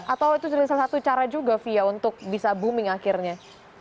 atau itu jadi salah satu cara juga fia untuk bisa booming akhirnya